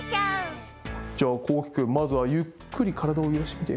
じゃあこうきくんまずはゆっくりからだをゆらしてみて。